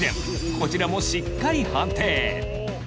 こちらもしっかり判定。